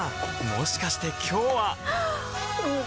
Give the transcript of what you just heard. もしかして今日ははっ！